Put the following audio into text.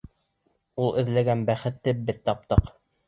— Ул эҙләгән бәхетте беҙ таптыҡ.